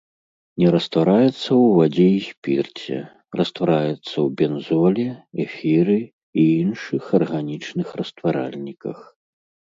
Не раствараецца ў вадзе і спірце, раствараецца ў бензоле, эфіры і іншых арганічных растваральніках.